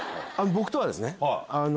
僕とはですね。